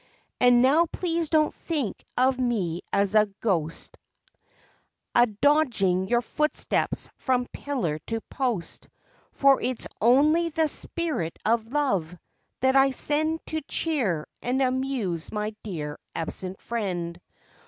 And now please don't think of me as a ghost a dogging your footsteps from pillar to post, for it's only the "spirit of love" that I send to cheer and amuse my dear absent friend.